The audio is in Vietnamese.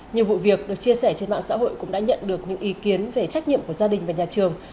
nhiều vụ việc được chia sẻ trên mạng xã hội cũng đã nhận được những ý kiến về trách nhiệm của gia đình và nhà trường